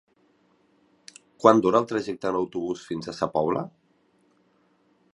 Quant dura el trajecte en autobús fins a Sa Pobla?